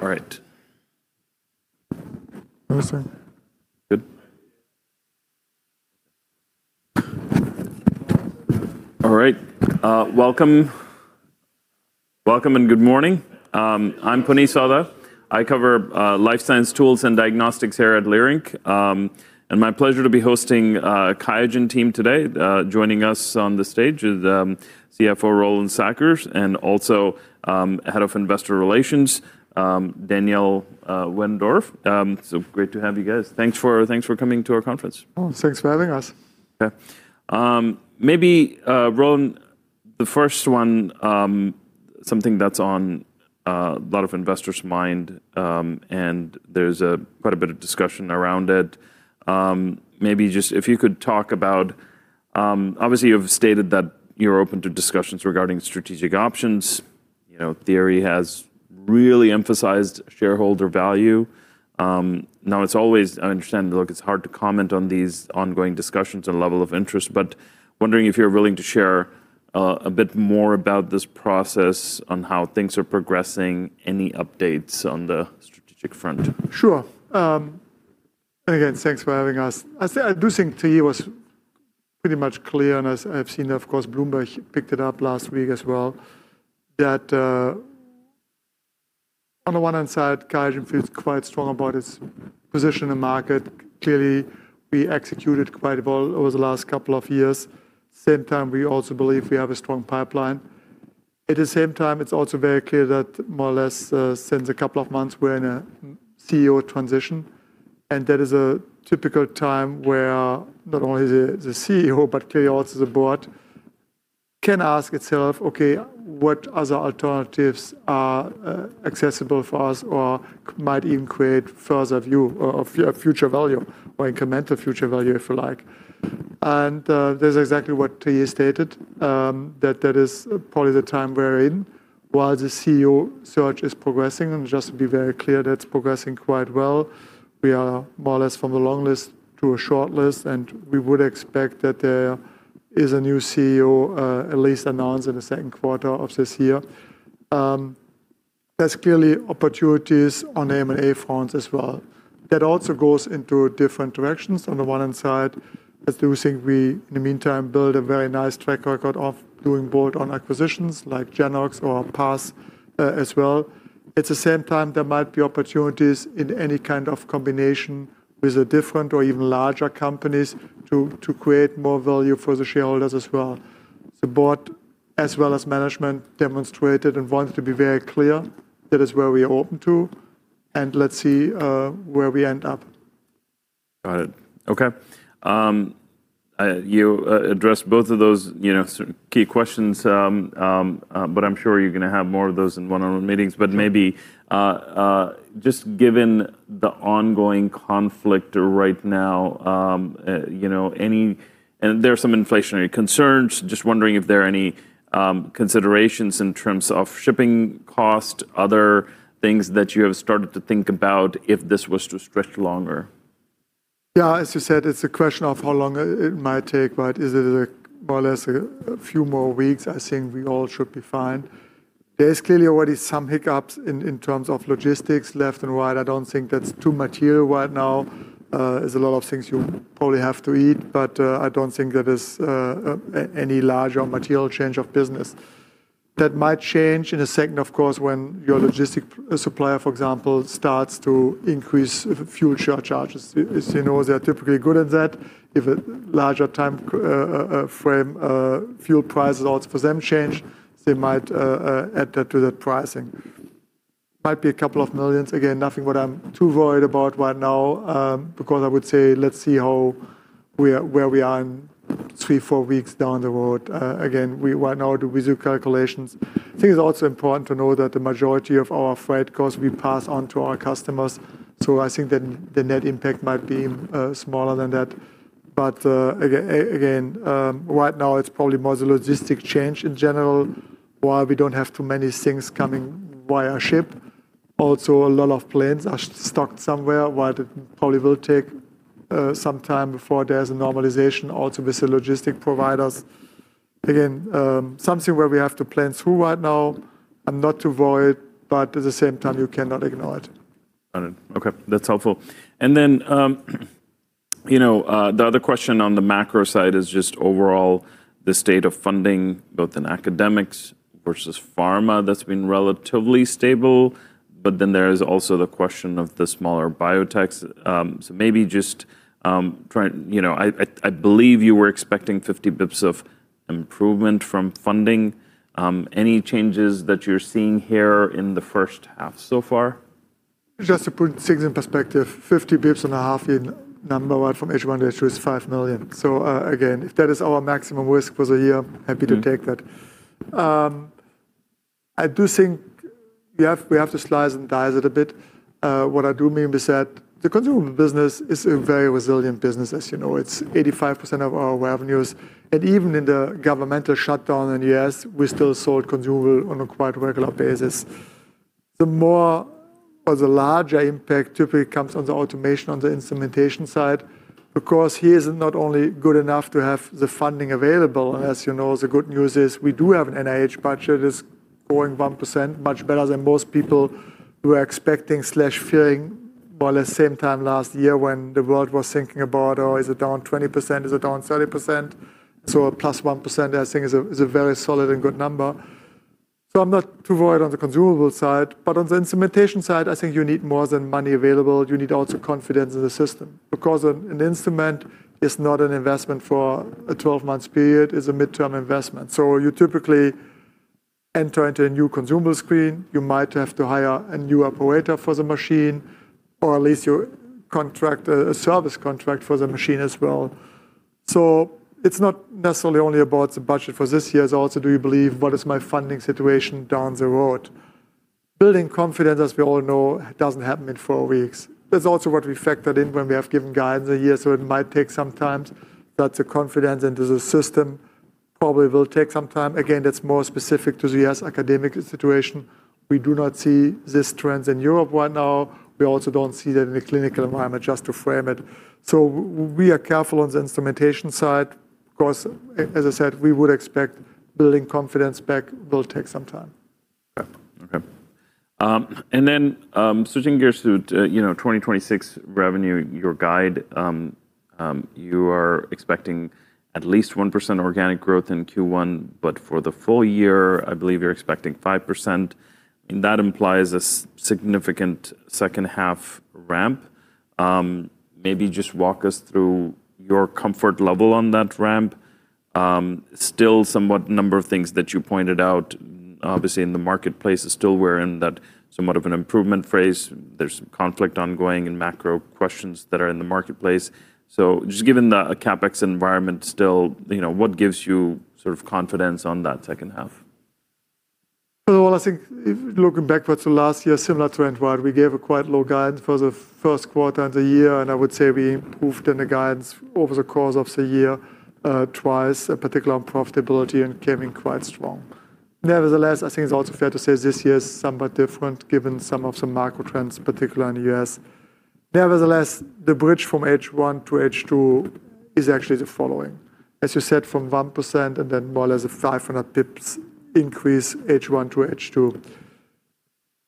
Good. All right. Welcome. Welcome and good morning. I'm Puneet Souda. I cover, life science tools and diagnostics here at Leerink. My pleasure to be hosting, QIAGEN team today. Joining us on the stage is, CFO Roland Sackers; and also, Head of Investor Relations, Daniel Wendorff. Great to have you guys. Thanks for coming to our conference. Oh, thanks for having us. Yeah. Maybe Roland, the first one, something that's on a lot of investors' mind, and there's a quite a bit of discussion around it. Maybe just if you could talk about, obviously you've stated that you're open to discussions regarding strategic options? You know, Thierry has really emphasized shareholder value. It's always understandably look, it's hard to comment on these ongoing discussions and level of interest, but wondering if you're willing to share a bit more about this process on how things are progressing, any updates on the strategic front? Sure. Again, thanks for having us. I do think today was pretty much clear, and as I've seen, of course, Bloomberg picked it up last week as well, that on the one hand side, QIAGEN feels quite strong about its position in the market. Clearly, we executed quite well over the last couple of years. Same time, we also believe we have a strong pipeline. At the same time, it's also very clear that more or less, since a couple of months we're in a CEO transition, and that is a typical time where not only the CEO, but clearly also the board can ask itself, okay, what other alternatives are accessible for us or might even create further view or future value or incremental future value, if you like. That's exactly what Thierry stated, that that is probably the time we're in while the CEO search is progressing. Just to be very clear, that's progressing quite well. We are more or less from a long list to a short list, and we would expect that there is a new CEO at least announced in the second quarter of this year. There's clearly opportunities on M&A fronts as well. That also goes into different directions. On the one hand side, I do think we, in the meantime, build a very nice track record of doing board on acquisitions like Genoox or Parse as well. At the same time, there might be opportunities in any kind of combination with the different or even larger companies to create more value for the shareholders as well. The board, as well as management, demonstrated and wanted to be very clear that is where we are open to and let's see, where we end up. Got it. Okay. You addressed both of those, you know, key questions. I'm sure you're gonna have more of those in one-on-one meetings. Maybe, just given the ongoing conflict right now, you know, and there are some inflationary concerns. Just wondering if there are any considerations in terms of shipping cost, other things that you have started to think about if this was to stretch longer. Yeah, as you said, it's a question of how long it might take, right? Is it more or less a few more weeks? I think we all should be fine. There's clearly already some hiccups in terms of logistics left and right. I don't think that's too material right now. There's a lot of things you probably have to eat, but I don't think there is any larger material change of business. That might change in a second, of course, when your logistic supplier, for example, starts to increase fuel surcharges. As you know, they are typically good at that. If a larger time frame fuel price odds for them change, they might add that to the pricing. Might be a couple of millions. Nothing what I'm too worried about right now, because I would say, let's see where we are in three, four weeks down the road. We right now do visual calculations. I think it's also important to know that the majority of our freight costs we pass on to our customers, so I think the net impact might be smaller than that. Again, right now it's probably more the logistic change in general, while we don't have too many things coming via ship. A lot of planes are stuck somewhere, while it probably will take some time before there's a normalization also with the logistic providers. Something where we have to plan through right now and not to avoid, but at the same time, you cannot ignore it. Got it. Okay. That's helpful. The other question on the macro side is just overall the state of funding, both in academics versus pharma, that's been relatively stable. There is also the question of the smaller biotechs. Maybe just try and, you know, I believe you were expecting 50 basis points of improvement from funding. Any changes that you're seeing here in the first half so far? Just to put things in perspective, 50 basis points and a half in number one from H1, H2 is $5 million. Again, if that is our maximum risk for the year, happy to take that. I do think we have to slice and dice it a bit. What I do mean is that the consumable business is a very resilient business, as you know. It's 85% of our revenues. Even in the governmental shutdown in the U.S., we still sold consumable on a quite regular basis. The more or the larger impact typically comes on the automation, on the instrumentation side. Of course, he is not only good enough to have the funding available. As you know, the good news is we do have an NIH budget is growing 1%, much better than most people who are expecting/feeling while at the same time last year when the world was thinking about, "Oh, is it down 20%? Is it down 30%?" Solid +1%, I think, is a very solid and good number. I'm not too worried on the consumable side. On the instrumentation side, I think you need more than money available. You need also confidence in the system because an instrument is not an investment for a 12-month period. It's a midterm investment. You typically enter into a new consumable screen. You might have to hire a new operator for the machine or at least you contract a service contract for the machine as well. It's not necessarily only about the budget for this year. It's also, "Do you believe what is my funding situation down the road?" Building confidence, as we all know, doesn't happen in four weeks. That's also what we factored in when we have given guidance a year, so it might take some time. That's a confidence into the system probably will take some time. Again, that's more specific to the U.S. academic situation. We do not see these trends in Europe right now. We also don't see that in the clinical environment, just to frame it. We are careful on the instrumentation side. Of course, as I said, we would expect building confidence back will take some time. Yeah. Okay. Switching gears to, you know, 2026 revenue, your guide, you are expecting at least 1% organic growth in Q1, for the full year, I believe you're expecting 5%, that implies a significant second half ramp. Maybe just walk us through your comfort level on that ramp. Still somewhat number of things that you pointed out, obviously, in the marketplace is still we're in that somewhat of an improvement phase. There's some conflict ongoing and macro questions that are in the marketplace. Just given the CapEx environment still, you know, what gives you sort of confidence on thatsecond half? I think if looking backwards to last year, similar to Edward, we gave a quite low guidance for the first quarter of the year, and I would say we improved in the guidance over the course of the year, twice, in particular on profitability, and came in quite strong. I think it's also fair to say this year is somewhat different given some of the macro trends, particularly in the U.S. The bridge from H1 to H2 is actually the following. As you said, from 1% and then more or less a 500 basis points increase H1 to H2.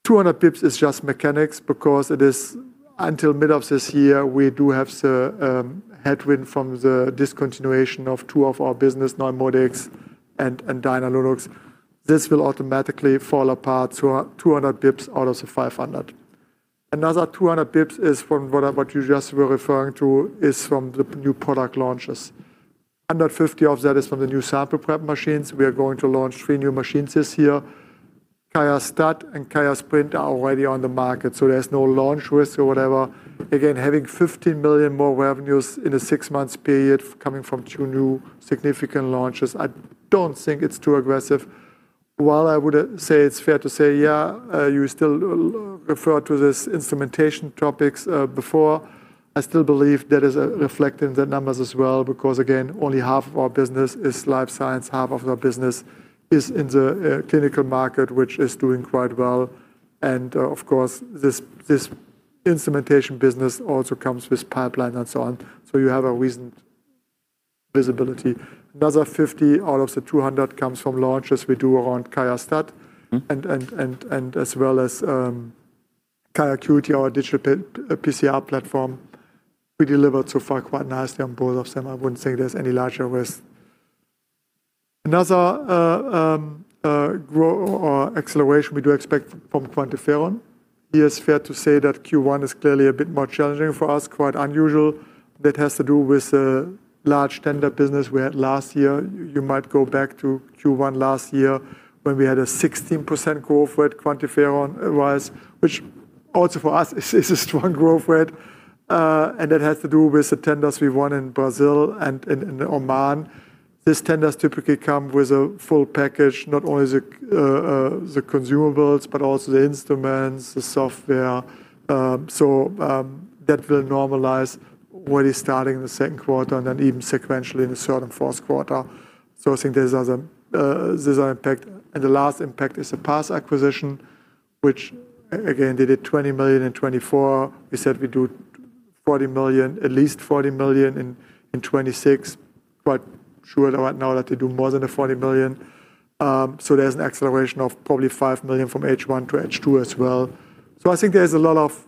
200 basis points is just mechanics because it is until mid of this year, we do have the headwind from the discontinuation of two of our business, NeuMoDx and Dialunox. This will automatically fall apart, 200 basis points out of the 500 basis points. Another 200 basis points is from what you just were referring to, is from the new product launches. 150 of that is from the new sample prep machines. We are going to launch three new machines this year. QIAstat-Dx and QIAsprint are already on the market, so there's no launch risk or whatever. Having $15 million more revenues in a six months period coming from two new significant launches, I don't think it's too aggressive. While I would say it's fair to say, you still refer to this instrumentation topics before, I still believe that is reflected in the numbers as well because, again, only half of our business is life science, half of our business is in the clinical market, which is doing quite well. Of course, this instrumentation business also comes with pipeline and so on. You have a reasoned visibility. Another $50 out of the $200 comes from launches we do around QIAstat. Mm. As well as QIAcuity, our digital PCR platform. We delivered so far quite nicely on both of them. I wouldn't say there's any larger risk. Another grow or acceleration we do expect from QuantiFERON. It is fair to say that Q1 is clearly a bit more challenging for us, quite unusual. That has to do with the large tender business we had last year. You might go back to Q1 last year when we had a 16% growth rate QuantiFERON was which also for us is a strong growth rate. That has to do with the tenders we won in Brazil and in Oman. These tenders typically come with a full package, not only the consumables, but also the instruments, the software. That will normalize what is starting in the second quarter and then even sequentially in the third and fourth quarter. I think there's an impact. The last impact is the Parse acquisition, which again, they did $20 million in 2024. We said we'd do $40 million, at least $40 million in 2026. Quite sure right now that they do more than the $40 million. There's an acceleration of probably $5 million from H1 to H2 as well. I think there's a lot of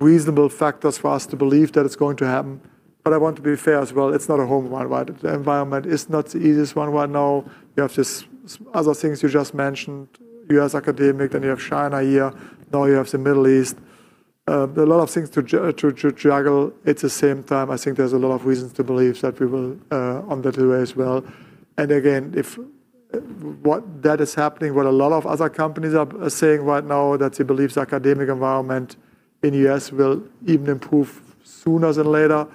reasonable factors for us to believe that it's going to happen. I want to be fair as well. It's not a home environment. The environment is not the easiest one right now. You have just other things you just mentioned, U.S. academic, you have China here. Now you have the Middle East. A lot of things to juggle at the same time. I think there's a lot of reasons to believe that we will on that way as well. Again, if what that is happening, what a lot of other companies are saying right now that they believe the academic environment in U.S. will even improve sooner than later.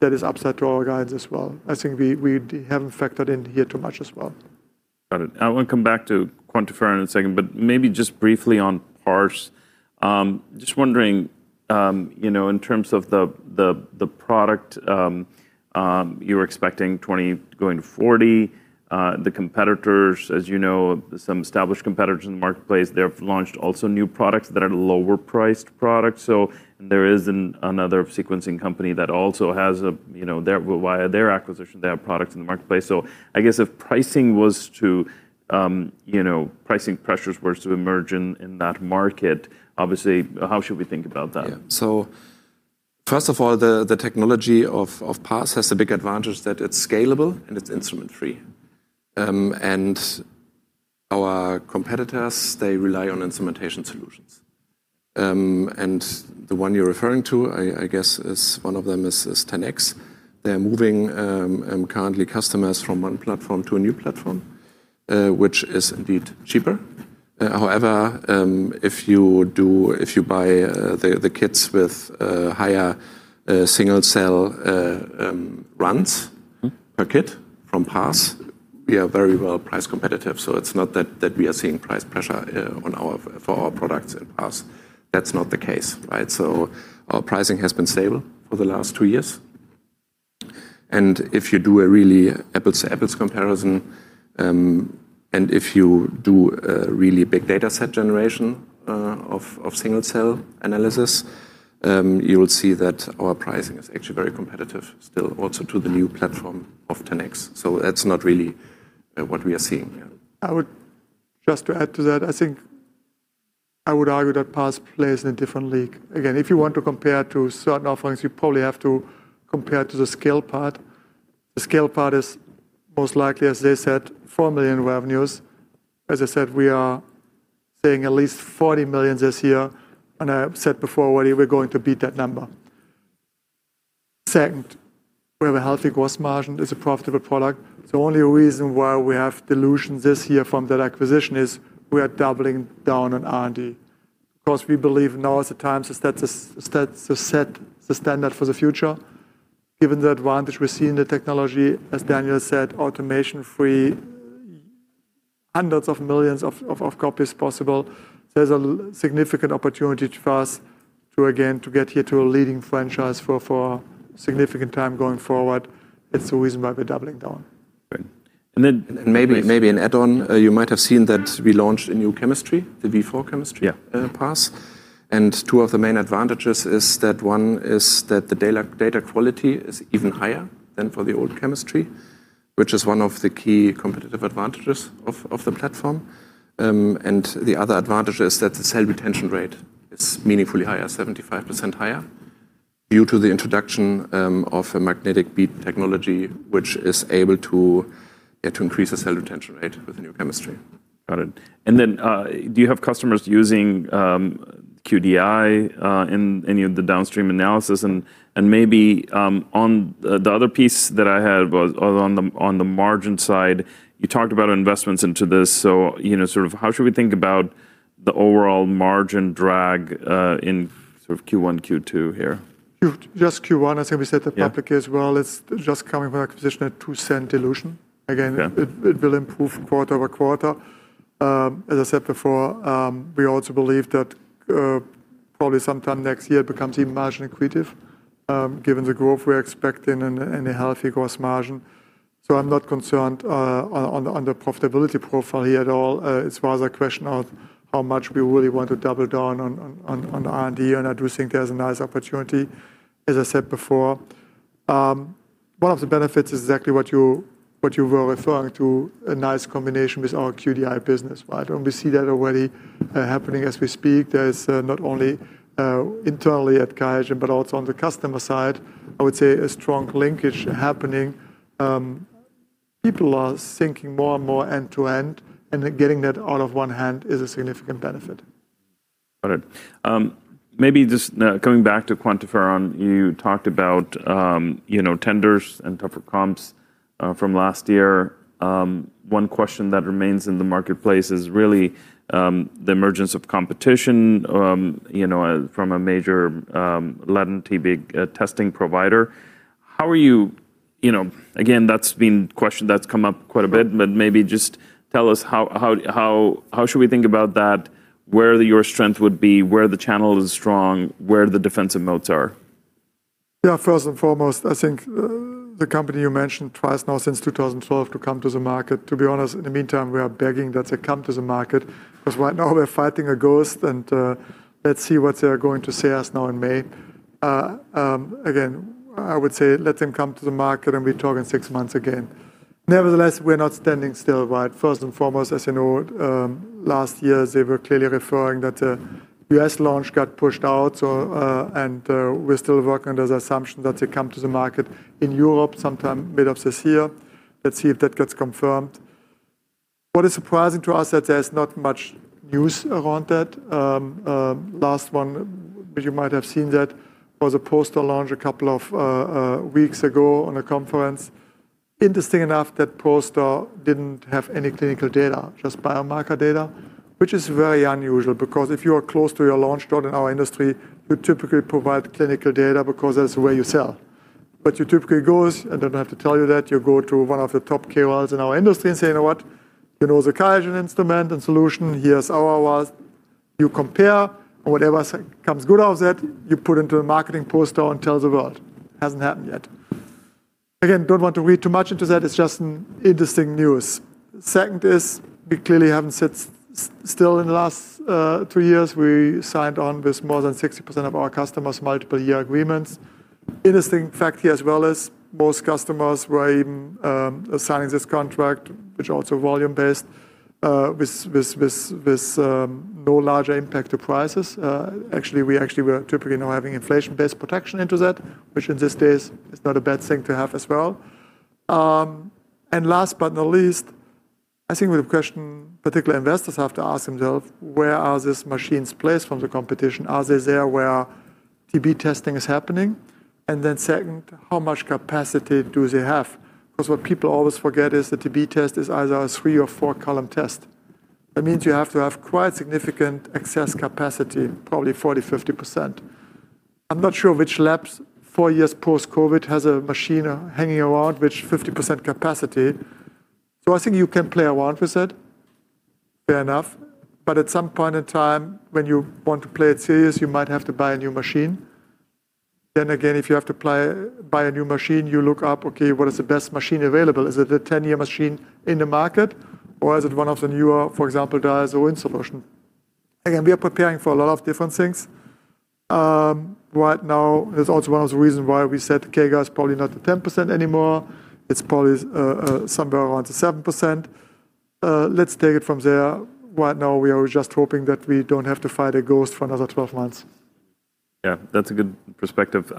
That is upside to our guidance as well. I think we haven't factored in here too much as well. Got it. I wanna come back to QuantiFERON in a second. Maybe just briefly on Parse. Just wondering, you know, in terms of the product, you're expecting 20 going to 40. The competitors, as you know, some established competitors in the marketplace, they have launched also new products that are lower-priced products. There is another sequencing company that also has, you know, via their acquisition, they have products in the marketplace. I guess if pricing was to, you know, pricing pressures were to emerge in that market, obviously how should we think about that? Yeah. First of all, the technology of Parse has a big advantage that it's scalable and it's instrument free. Our competitors, they rely on instrumentation solutions. The one you're referring to, I guess is one of them is 10x. They're moving currently customers from one platform to a new platform, which is indeed cheaper. However, if you buy the kits with higher single-cell runs- Mm-hmm Per kit from Parse, we are very well price competitive, so it's not that we are seeing price pressure for our products at Parse. That's not the case, right? Our pricing has been stable for the last two years. If you do a really apples to apples comparison, and if you do a really big dataset generation of single-cell analysis, you will see that our pricing is actually very competitive still also to the new platform of 10x. That's not really what we are seeing here. Just to add to that, I think I would argue that Parse plays in a different league. If you want to compare to certain offerings, you probably have to compare to the scale part. The scale part is most likely, as they said, $4 million revenues. We are saying at least $40 million this year, and I have said before already we're going to beat that number. Second, we have a healthy gross margin. It's a profitable product. The only reason why we have dilutions this year from that acquisition is we are doubling down on R&D. 'Cause we believe now is the time to set the standard for the future, given the advantage we see in the technology, as Daniel said, automation free, hundreds of millions of copies possible. There's a significant opportunity for us to, again, to get here to a leading franchise for significant time going forward. It's the reason why we're doubling down. Great. Maybe an add-on, you might have seen that we launched a new chemistry, the V4 chemistry. Yeah. Parse, two of the main advantages is that one is that the data quality is even higher than for the old chemistry, which is one of the key competitive advantages of the platform. The other advantage is that the cell retention rate is meaningfully higher, 75% higher, due to the introduction of a magnetic bead technology, which is able to increase the cell retention rate with the new chemistry. Got it. Do you have customers using QDI in any of the downstream analysis and maybe, the other piece that I had was on the, on the margin side, you talked about investments into this, you know, sort of how should we think about the overall margin drag in sort of Q1, Q2 here? Just Q1, as we said to public as well, it's just coming from an acquisition at $0.02 dilution. Yeah. It will improve quarter-over-quarter. As I said before, we also believe that probably sometime next year it becomes even margin accretive, given the growth we're expecting and a healthy gross margin. So I'm not concerned on the profitability profile here at all. It's more the question of how much we really want to double down on R&D, and I do think there's a nice opportunity, as I said before. One of the benefits is exactly what you, what you were referring to, a nice combination with our QDI business, right? And we see that already happening as we speak. There's not only internally at QIAGEN, but also on the customer side, I would say a strong linkage happening. People are thinking more and more end-to-end, and that getting that out of one hand is a significant benefit. Got it. maybe just coming back to QuantiFERON, you talked about, you know, tenders and tougher comps, from last year. one question that remains in the marketplace is really, the emergence of competition, you know, from a major, latent TB, testing provider. You know, again, that's been question that's come up quite a bit, but maybe just tell us how should we think about that, where your strength would be, where the channel is strong, where the defensive modes are? Yeah, first and foremost, I think the company you mentioned tries now since 2012 to come to the market. To be honest, in the meantime, we are begging that they come to the market, 'cause right now we're fighting a ghost and let's see what they are going to say us now in May. Again, I would say let them come to the market, and we talk in six months again. Nevertheless, we're not standing still, right? First and foremost, as you know, last year, they were clearly referring that the U.S. launch got pushed out, so, and we're still working under the assumption that they come to the market in Europe sometime middle of this year. Let's see if that gets confirmed. What is surprising to us that there's not much news around that. Last one, which you might have seen that, was a poster launch a couple of weeks ago on a conference. Interesting enough, that poster didn't have any clinical data, just biomarker data, which is very unusual, because if you are close to your launch date in our industry, you typically provide clinical data because that's the way you sell. You typically goes, I don't have to tell you that, you go to one of the top KOLs in our industry and say, "You know what? You know the QIAGEN instrument and solution. Here's our worth." You compare, and whatever's comes good out of that, you put into a marketing poster and tell the world. Hasn't happened yet. Again, don't want to read too much into that. It's just an interesting news. Second is we clearly haven't sit still in the last two years. We signed on with more than 60% of our customers multiple-year agreements. Interesting fact here as well is most customers were even signing this contract, which also volume-based, with no larger impact to prices. Actually, we actually were typically now having inflation-based protection into that, which in these days is not a bad thing to have as well. Last but not least, I think with the question particular investors have to ask themselves, where are these machines placed from the competition? Are they there where TB testing is happening? Second, how much capacity do they have? Because what people always forget is the TB test is either a three or four column test. That means you have to have quite significant excess capacity, probably 40%, 50%. I'm not sure which labs four years post-COVID has a machine hanging around which 50% capacity. I think you can play around with it, fair enough, but at some point in time when you want to play it serious, you might have to buy a new machine. If you have to buy a new machine, you look up, okay, what is the best machine available? Is it a 10-year machine in the market, or is it one of the newer, for example, DiaSorin solution? We are preparing for a lot of different things. Right now, that's also one of the reasons why we said the CAGR is probably not the 10% anymore. It's probably somewhere around the 7%. Let's take it from there. Right now, we are just hoping that we don't have to fight a ghost for another 12 months. That's a good perspective.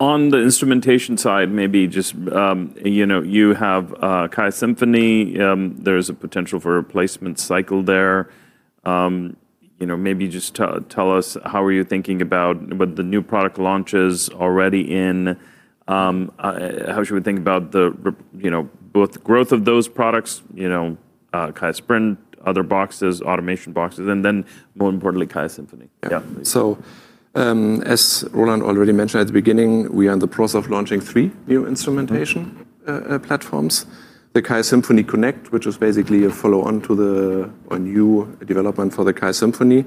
On the instrumentation side, maybe just, you know, you have QIAsymphony. There's a potential for replacement cycle there. You know, maybe just tell us how are you thinking about with the new product launches already in, how should we think about the, you know, both growth of those products, you know, QIAsprint, other boxes, automation boxes, and then more importantly, QIAsymphony. As Roland already mentioned at the beginning, we are in the process of launching three new instrumentation platforms. The QIAsymphony Connect, which is basically a follow-on to the, a new development for the QIAsymphony,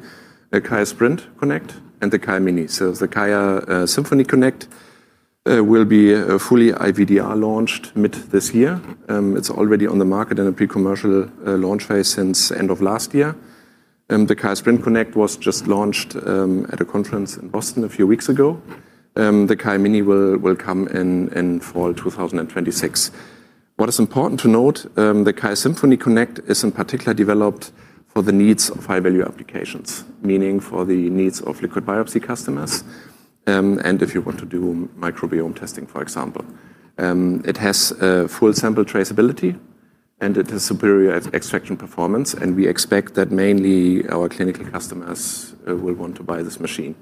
a QIAsprint Connect, and the QIAmini. The QIAsymphony Connect will be fully IVDR launched mid this year. It's already on the market in a pre-commercial launch phase since end of last year. The QIAsprint Connect was just launched at a conference in Boston a few weeks ago. The QIAmini will come in fall 2026. What is important to note, the QIAsymphony Connect is in particular developed for the needs of high-value applications, meaning for the needs of liquid biopsy customers, and if you want to do microbiome testing, for example. It has full sample traceability, and it has superior extraction performance, and we expect that mainly our clinical customers will want to buy this machine.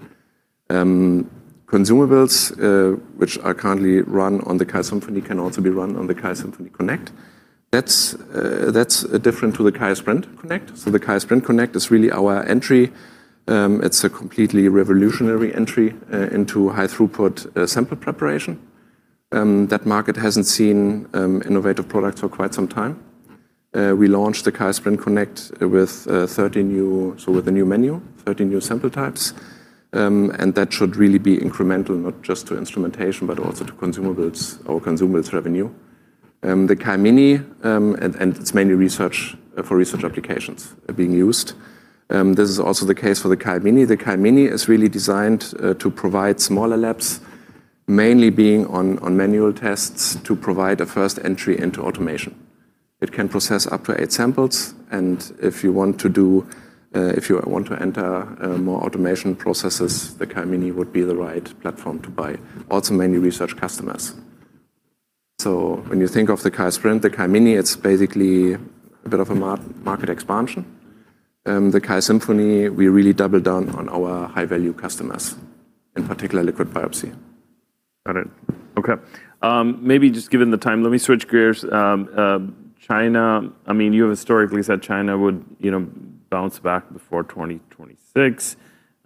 Consumables, which are currently run on the QIAsymphony can also be run on the QIAsymphony Connect. That's different to the QIAsprint Connect. The QIAsprint Connect is really our entry. It's a completely revolutionary entry into high throughput sample preparation. That market hasn't seen innovative products for quite some time. We launched the QIAsprint Connect with a new menu, 30 new sample types. That should really be incremental, not just to instrumentation, but also to consumables or consumables revenue. The QIAmini, and it's mainly research for research applications being used. This is also the case for the QIAmini. The QIAmini is really designed to provide smaller labs, mainly being on manual tests, to provide a first entry into automation. It can process up to eight samples. If you want to do, if you want to enter, more automation processes, the QIAmini would be the right platform to buy. Mainly research customers. When you think of the QIAsprint, the QIAmini, it's basically a bit of a market expansion. The QIAsymphony, we really double down on our high-value customers, in particular liquid biopsy. Got it. Okay. Maybe just given the time, let me switch gears. China, I mean, you have historically said China would, you know, bounce back before 2026,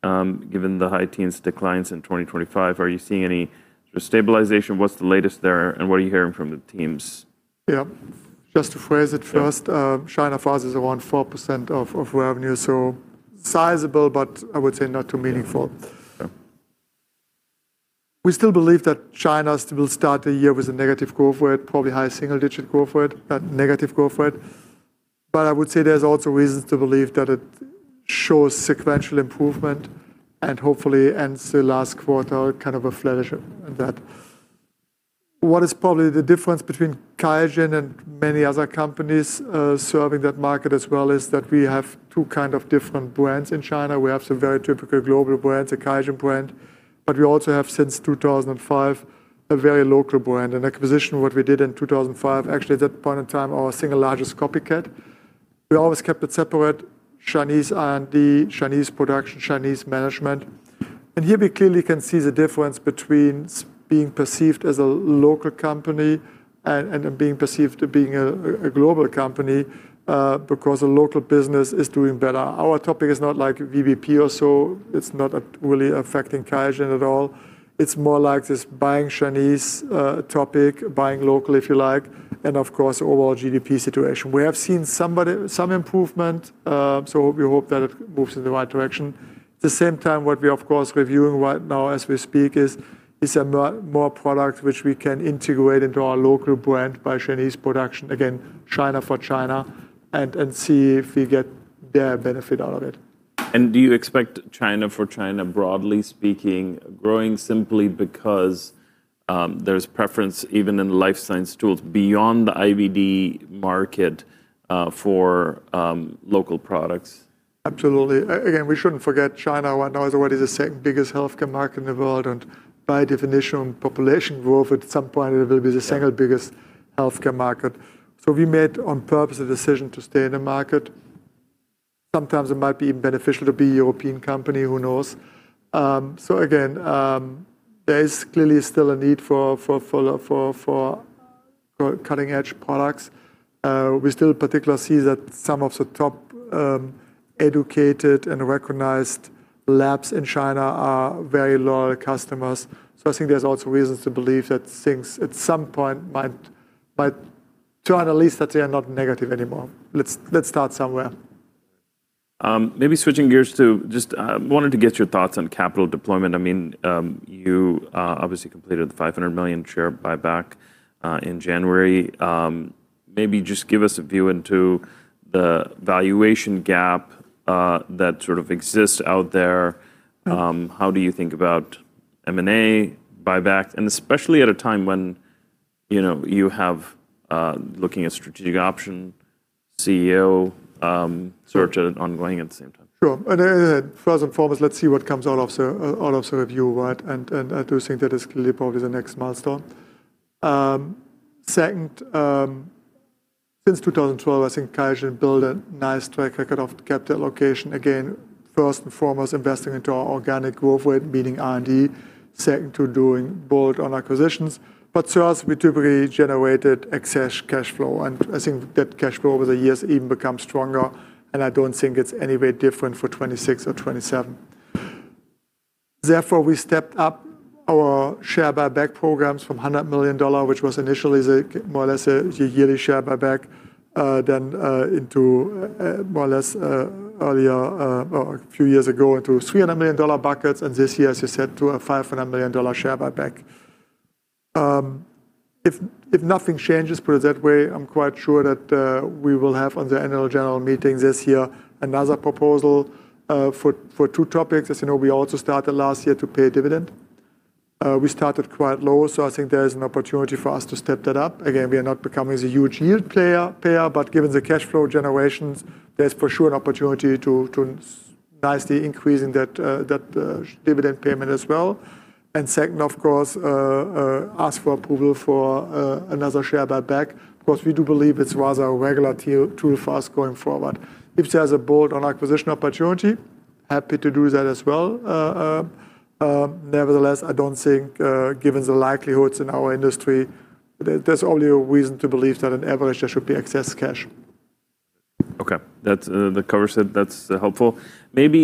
given the high teens declines in 2025. Are you seeing any sort of stabilization? What's the latest there, and what are you hearing from the teams? Yeah. Just to phrase it first. Yeah. China for us is around 4% of revenue, so sizable, but I would say not too meaningful. Yeah. We still believe that China still start the year with a negative growth rate, probably high single-digit growth rate, but negative growth rate. I would say there's also reasons to believe that it shows sequential improvement and hopefully ends the last quarter kind of a flourish on that. What is probably the difference between QIAGEN and many other companies serving that market as well is that we have two kind of different brands in China. We have some very typical global brands, a QIAGEN brand, but we also have since 2005, a very local brand. An acquisition what we did in 2005, actually at that point in time, our single largest copycat. We always kept it separate. Chinese R&D, Chinese production, Chinese management. Here we clearly can see the difference between being perceived as a local company and being perceived to being a global company, because a local business is doing better. Our topic is not like VBP or so. It's not really affecting QIAGEN at all. It's more like this buying Chinese topic, buying local, if you like, and of course overall GDP situation. We have seen some improvement, we hope that it moves in the right direction. At the same time, what we're of course reviewing right now as we speak is there more products which we can integrate into our local brand by Chinese production, again, China for China, and see if we get their benefit out of it. Do you expect China for China, broadly speaking, growing simply because there's preference even in life science tools beyond the IVD market for local products? Absolutely. Again, we shouldn't forget China right now is already the second-biggest healthcare market in the world. By definition, population growth, at some point it will be the second-biggest healthcare market. We made on purpose a decision to stay in the market. Sometimes it might be beneficial to be European company, who knows? Again, there is clearly still a need for cutting-edge products. We still particularly see that some of the top educated and recognized labs in China are very loyal customers. I think there's also reasons to believe that things at some point might. To analyze that they are not negative anymore. Let's start somewhere. Maybe switching gears to just wanted to get your thoughts on capital deployment. I mean, you obviously completed the $500 million share buyback in January. Maybe just give us a view into the valuation gap that sort of exists out there. How do you think about M&A buyback, especially at a time when, you know, you have looking at strategic option, CEO, search ongoing at the same time. Sure. First and foremost, let's see what comes out of the review, right? I do think that is clearly probably the next milestone. Second, since 2012, I think QIAGEN built a nice track record of capital allocation. Again, first and foremost, investing into our organic growth rate, meaning R&D. Second, to doing bold on acquisitions. To us, we typically generated excess cash flow, and I think that cash flow over the years even become stronger, and I don't think it's any way different for 2026 or 2027. Therefore, we stepped up our share buyback programs from $100 million, which was initially the more or less a yearly share buyback, then into more or less earlier, or a few years ago into $300 million buckets. This year, as you said, to a $500 million share buyback. If nothing changes, put it that way, I'm quite sure that we will have on the annual general meeting this year another proposal for two topics. As you know, we also started last year to pay a dividend. We started quite low, so I think there is an opportunity for us to step that up. We are not becoming the huge yield payer, but given the cash flow generations, there's for sure an opportunity to nicely increase in that dividend payment as well. Second, of course, ask for approval for another share buyback. Of course, we do believe it's rather a regular tool for us going forward. If there's a bolt-on acquisition opportunity, happy to do that as well. I don't think, given the likelihoods in our industry, there's only a reason to believe that on average there should be excess cash. Okay. That's, that covers it. That's helpful. Maybe,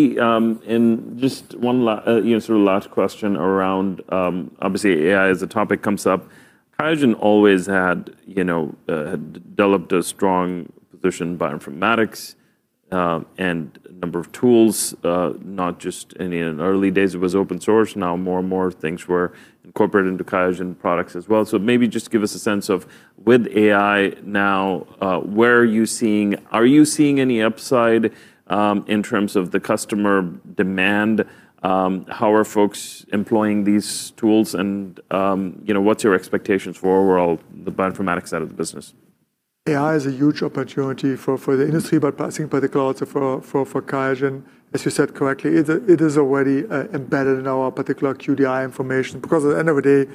in just one last question around, obviously AI as a topic comes up. QIAGEN always had, you know, had developed a strong position bioinformatics, and a number of tools, not just any. In early days it was open source, now more and more things were incorporated into QIAGEN products as well. Maybe just give us a sense of with AI now, are you seeing any upside, in terms of the customer demand? How are folks employing these tools and, you know, what's your expectations for overall the bioinformatics side of the business? AI is a huge opportunity for the industry, but passing particular also for QIAGEN. As you said correctly, it is already embedded in our particular QDI information, because at the end of the day,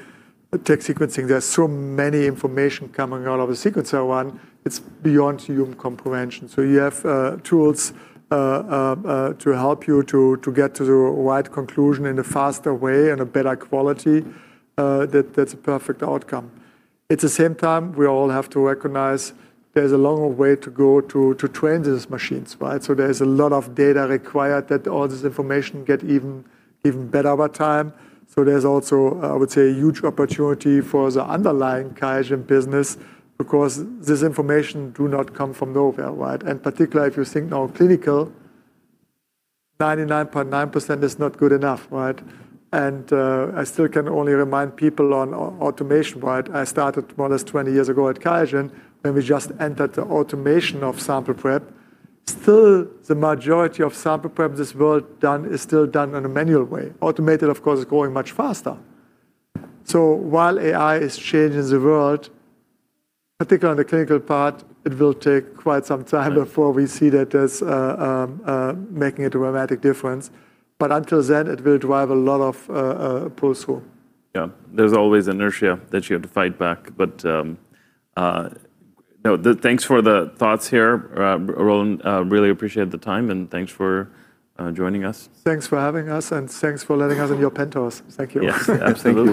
with tech sequencing, there's so many information coming out of a sequencer one, it's beyond human comprehension. You have tools to help you to get to the right conclusion in a faster way and a better quality, that's a perfect outcome. At the same time, we all have to recognize there's a long way to go to train these machines, right? There's a lot of data required that all this information get even better over time. There's also, I would say, a huge opportunity for the underlying QIAGEN business because this information do not come from nowhere, right? Particularly, if you think now clinical, 99.9% is not good enough, right? I still can only remind people on automation, right? I started more or less 20 years ago at QIAGEN when we just entered the automation of sample prep. Still, the majority of sample prep this world done is still done in a manual way. Automated, of course, is growing much faster. While AI is changing the world, particularly on the clinical part, it will take quite some time before we see that as making a dramatic difference. Until then, it will drive a lot of pull through. Yeah. There's always inertia that you have to fight back, but, no, thanks for the thoughts here, Roland. Really appreciate the time, and thanks for joining us. Thanks for having us, and thanks for letting us in your penthouse. Thank you. Yeah, absolutely.